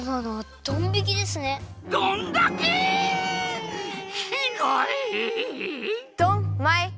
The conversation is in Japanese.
ドンマイ！